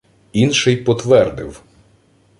Інший потвердив: